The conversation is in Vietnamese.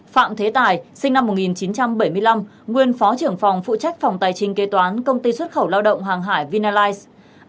sáu phạm thế tài sinh năm một nghìn chín trăm bảy mươi năm nguyên phó trưởng phòng phụ trách phòng tài trình kế toán công ty xuất khẩu lao động hàng hải vinaliz